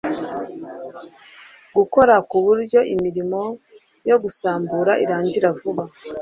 gukora ku buryo imirimo yo gusambura irangira vuba